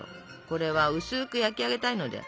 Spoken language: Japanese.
これは薄く焼き上げたいので。